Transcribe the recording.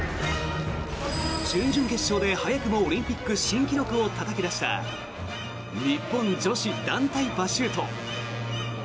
準々決勝で早くもオリンピック新記録をたたき出した日本女子団体パシュート。